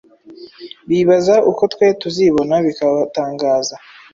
bibaza uko twe tuzibona bikabatangaza,